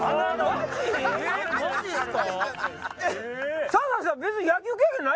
マジ⁉マジっすか？